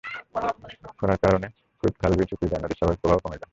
খরার কারণে কূপ, খাল, বিল শুকিয়ে যায়, নদীর স্বাভাবিক প্রবাহ কমে যায়।